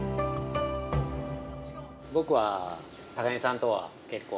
◆僕は、高木さんとは結構。